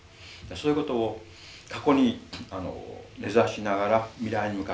そういうことを過去に根ざしながら未来に向かって考えていく。